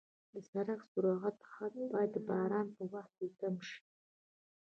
د سړک سرعت حد باید د باران په وخت کم شي.